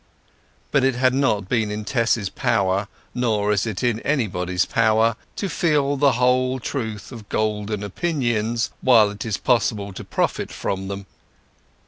But it had not been in Tess's power—nor is it in anybody's power—to feel the whole truth of golden opinions while it is possible to profit by them.